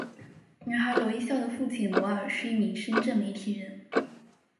女孩罗一笑的父亲罗尔是一名深圳媒体人。